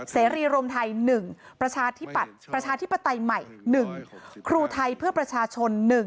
เสรีรวมไทย๑ประชาธิปัตย์ประชาธิปไตยใหม่๑ครูไทยเพื่อประชาชน๑